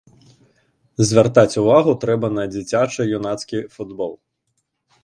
Звяртаць увагу трэба на дзіцяча-юнацкі футбол.